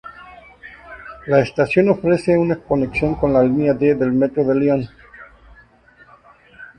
La estación ofrece una conexión con la línea D del metro de Lyon.